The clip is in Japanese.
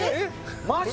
マジ？